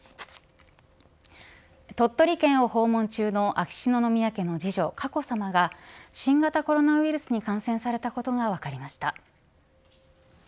鳥取県を訪問中の秋篠宮家の次女、佳子さまが新型コロナウイルスに感染されたことが分かりました。